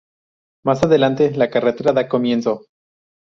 Más adelante, la carrera da comienzo.